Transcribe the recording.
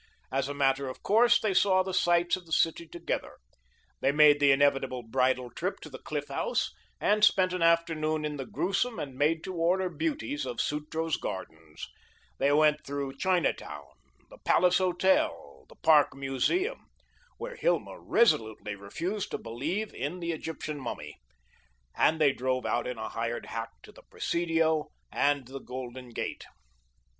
As a matter of course, they saw the sights of the city together. They made the inevitable bridal trip to the Cliff House and spent an afternoon in the grewsome and made to order beauties of Sutro's Gardens; they went through Chinatown, the Palace Hotel, the park museum where Hilma resolutely refused to believe in the Egyptian mummy and they drove out in a hired hack to the Presidio and the Golden Gate.